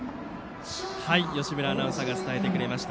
義村アナウンサーが伝えてくれました。